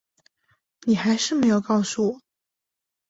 你还是没有告诉我